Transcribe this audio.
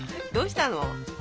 どうしたの？